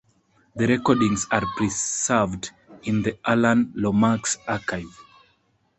The recordings are preserved in the Alan Lomax archive.